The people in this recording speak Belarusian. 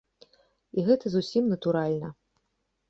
І гэта зусім натуральна.